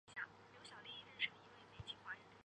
联盟成员主要分布在美国南部。